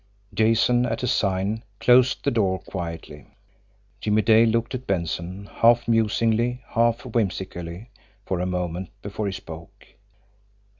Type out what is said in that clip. Jason, at a sign, closed the door quietly. Jimmie Dale looked at Benson half musingly, half whimsically, for a moment before he spoke.